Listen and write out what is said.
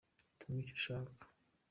hitamo icyo ushaka.